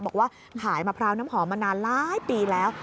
บอกว่าขายมะพร้าวน้ำหอมมานานหลายปีแล้ว